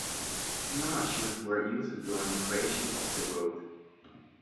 No machines were used during the creation of the road.